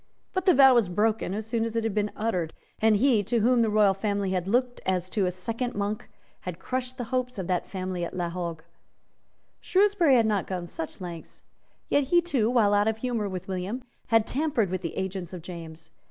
But the vow was broken as soon as it had been uttered; and he to whom the royal family had looked as to a second Monk had crushed the hopes of that family at La Hogue. Shrewsbury had not gone such lengths. Yet he too, while out of humour with William, had tampered with the agents of James.